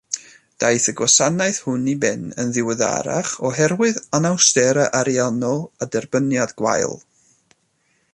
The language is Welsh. Daeth y gwasanaeth hwn i ben yn ddiweddarach oherwydd anawsterau ariannol a derbyniad gwael.